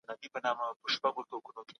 مورنۍ ژبه څنګه د لوستلو درک پياوړی کوي؟